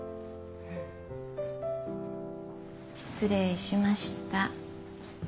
失礼しました。